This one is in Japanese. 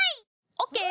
オーケー！